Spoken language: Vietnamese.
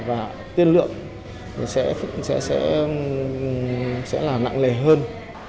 và tiên lượng sẽ là nặng lề hơn